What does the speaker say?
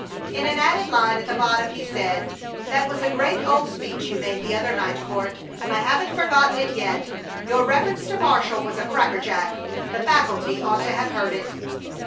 In an added line at the bottom he said: "That was a great old speech you made the other night, Court. I haven't forgotten it yet. Your reference to Marshall was a cracker jack! The faculty ought to have heard it."